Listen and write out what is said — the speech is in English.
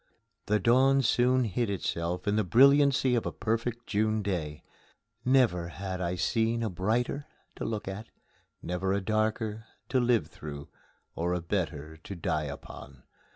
The dawn soon hid itself in the brilliancy of a perfect June day. Never had I seen a brighter to look at; never a darker to live through or a better to die upon.